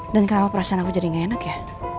dan kenapa perasaan aku jadi gak enak ya